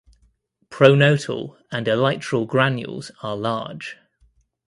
Pronotal and elytral granules are large.